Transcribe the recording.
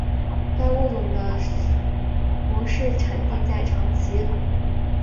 该物种的模式产地在长崎。